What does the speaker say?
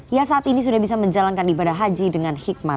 ia saat ini sudah bisa menjalankan ibadah haji dengan hikmat